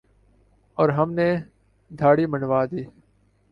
اور ہم نے دھاڑی منڈوادی ۔